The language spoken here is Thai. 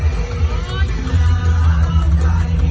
สวัสดีครับ